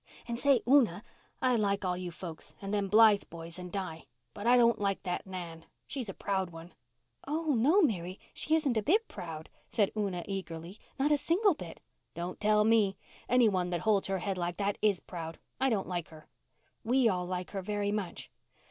And say, Una, I like all you folks and them Blythe boys and Di, but I don't like that Nan. She's a proud one." "Oh, no, Mary, she isn't a bit proud," said Una eagerly. "Not a single bit." "Don't tell me. Any one that holds her head like that is proud. I don't like her." "We all like her very much."